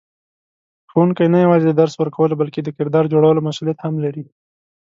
ښوونکی نه یوازې د درس ورکولو بلکې د کردار جوړولو مسئولیت هم لري.